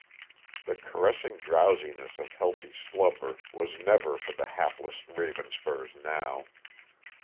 The caressing drowsiness of healthy slumber was never for the hapless Ravenspurs now.